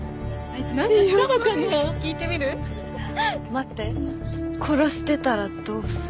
待って殺してたらどうする？